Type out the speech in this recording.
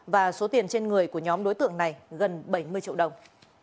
và số tiền trên người của nhóm đối tượng này gần bảy mươi triệu đồng